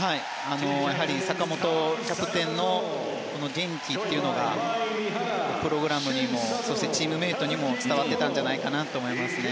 やはり坂本キャプテンの元気というのがプログラムにもそしてチームメートにも伝わってたんじゃないかなと思いますね。